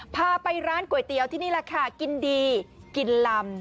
พาไปร้านก๋วยเตี๋ยวที่นี่แหละค่ะกินดีกินลำ